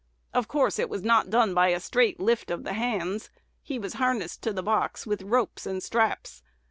Of course it was not done by a straight lift of the hands: he "was harnessed to the box with ropes and straps."